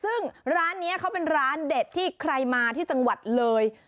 ซึ่งร้านนี้เขาเป็นร้านเด็ดที่ใครมาที่จังหวัดเลย